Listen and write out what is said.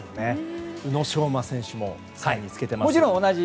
宇野昌磨選手も３位につけてますからね。